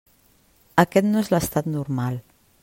Aquest no és l'estat normal.